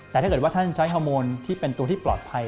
แต่ถ้าเกิดว่าท่านใช้ฮอร์โมนที่เป็นตัวที่ปลอดภัย